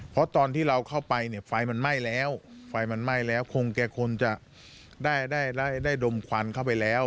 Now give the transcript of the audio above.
เพราะตอนที่เราเข้าไปเนี่ยไฟมันไหม้แล้วไฟมันไหม้แล้วคงแกคงจะได้ได้ดมควันเข้าไปแล้ว